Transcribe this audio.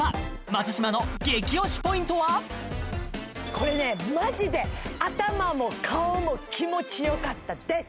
これねマジで頭も顔も気持ちよかったです！